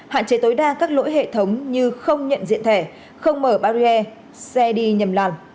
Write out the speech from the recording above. hạn chế tối đa các lỗi hệ thống như không nhận diện thẻ không mở barrier xe đi nhầm làn